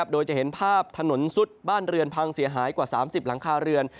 โดยจะเห็นภาพถนนซุดบ้านเรือนพังเสียหายกว่า๓๐หลังคาเรือน